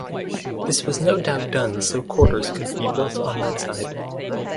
This was no doubt done so quarters could be built on that side.